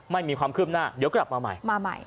ไม่มีความขึ้นหน้าเดี๋ยวกลับมาใหม่